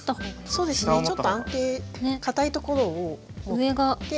そうですねちょっと安定かたいところを持って。